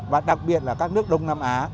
và đặc biệt là các nước đông nam á